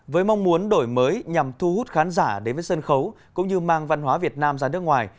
với mong muốn đổi mới nhằm thu hút khán giả đến với sân khấu cũng như mang văn hóa việt nam ra nước ngoài